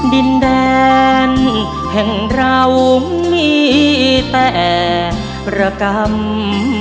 ดินแดนแห่งเรามีแต่ระกรรม